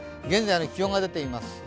現在の気温が出ています。